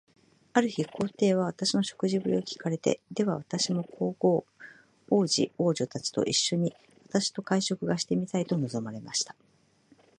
ある日、皇帝は私の食事振りを聞かれて、では自分も皇后、皇子、皇女たちと一しょに、私と会食がしてみたいと望まれました。